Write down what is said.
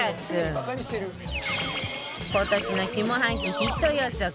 今年の下半期ヒット予測